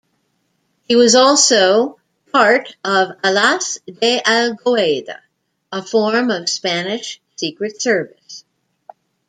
He was also part of Alas dey algoada, a form of Spanish secret service.